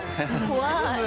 怖い。